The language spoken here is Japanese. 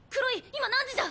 今何時じゃ？